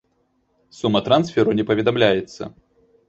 Сума трансферу не паведамляецца.